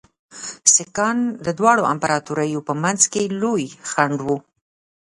سیکهان د دواړو امپراطوریو په منځ کې لوی خنډ وو.